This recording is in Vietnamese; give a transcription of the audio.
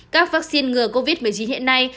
các vaccine ngừa covid một mươi chín hiện nay